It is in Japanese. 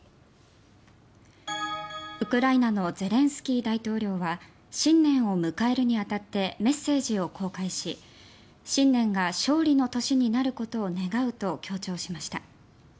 ウクライナのゼレンスキー大統領は新年を迎えるに当たってメッセージを公開し新年が勝利の年になることを願うと強調しました。